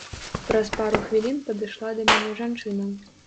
Праз пару хвілін падышла да мяне жанчына.